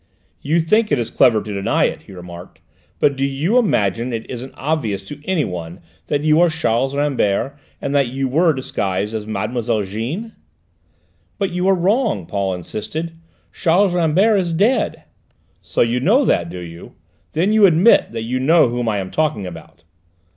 "You think it is clever to deny it," he remarked, "but do you imagine it isn't obvious to anyone that you are Charles Rambert, and that you were disguised as Mademoiselle Jeanne?" "But you are wrong," Paul insisted. "Charles Rambert is dead." "So you know that, do you? Then you admit that you know whom I am talking about?"